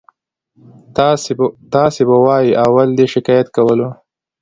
تاسې به وایئ اول دې شکایت کولو.